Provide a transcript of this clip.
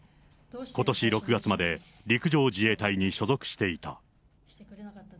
ことし６月まで陸上自衛隊に所属していた。